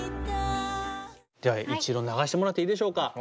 では一度流してもらっていいでしょうか？